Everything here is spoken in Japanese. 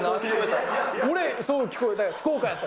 そう聞こえた？